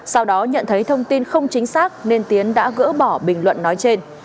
sau đó nhận thấy thông tin không chính xác nên tiến đã gỡ bỏ bình luận nói trên